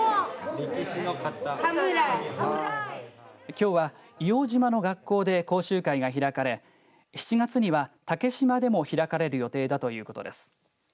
きょうは、硫黄島の学校で講習会が開かれ７月には竹島でも開かれる予定だということです。